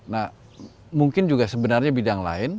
nah mungkin juga sebenarnya bidang lain